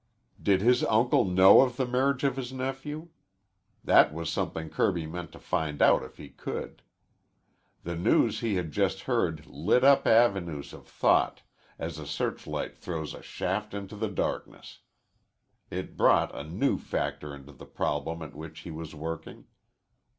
Did his uncle know of the marriage of his nephew? That was something Kirby meant to find out if he could. The news he had just heard lit up avenues of thought as a searchlight throws a shaft into the darkness. It brought a new factor into the problem at which he was working.